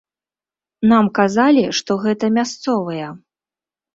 Нам казалі, што гэта мясцовыя.